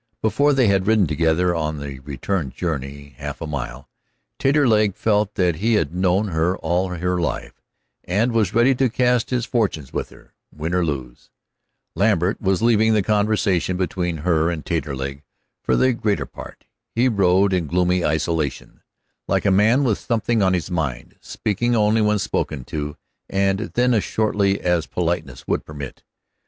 Before they had ridden together on the return journey half a mile, Taterleg felt that he had known her all her life, and was ready to cast his fortunes with her, win or lose. Lambert was leaving the conversation between her and Taterleg, for the greater part. He rode in gloomy isolation, like a man with something on his mind, speaking only when spoken to, and then as shortly as politeness would permit.